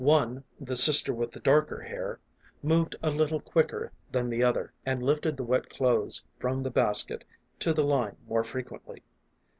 One, the sister with the darker hair, moved a little quicker than the other, and lifted the wet clothes from the basket to the line more frequently.